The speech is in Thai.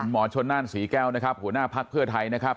หมอชนนั่นศรีแก้วนะครับหัวหน้าภักดิ์เพื่อไทยนะครับ